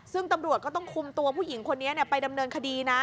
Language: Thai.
ซึ่งตำรวจก็ต้องคุมตัวผู้หญิงคนนี้ไปดำเนินคดีนะ